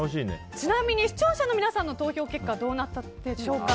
ちなみに視聴者の皆さんの投票結果はどうなったでしょうか。